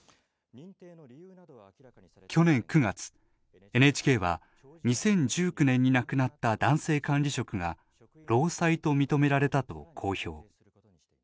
去年９月、ＮＨＫは２０１９年に亡くなった男性管理職が労災と認められたと公表。